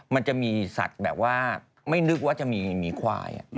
มันจะมีสัตว์แบบว่าไม่นึกว่าจะมีหมีควาย